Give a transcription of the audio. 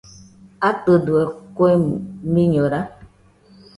¿Atɨdo kue miñora?